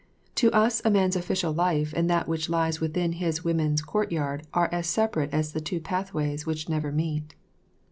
To us a man's official life and that which lies within his women's courtyard are as separate as two pathways which never meet.